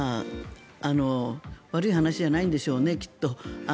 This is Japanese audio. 悪い話じゃないんでしょうね、きっと。